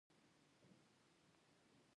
آیا موږ له تاجکستان بریښنا اخلو؟